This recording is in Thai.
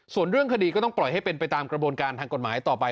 ส่วนเรื่องคดีก็ต้องปล่อยให้เป็นไปตามกระบวนการทางกฎหมายต่อไป